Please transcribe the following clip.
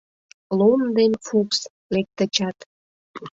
Лом ден Фукс, лектычат